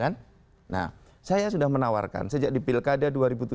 nah saya sudah menawarkan sejak di pilkada dua ribu tujuh belas dua ribu delapan belas